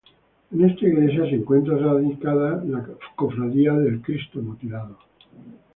En esta Iglesia se encuentra radicada la Cofradía del Cristo Mutilado.